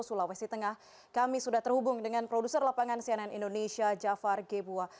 sulawesi tengah kami sudah terhubung dengan produser lapangan cnn indonesia jafar gebuah